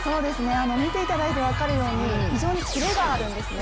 見ていただいて分かるように非常にキレがあるんですね。